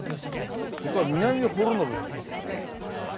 ここは南幌延の駅ですね。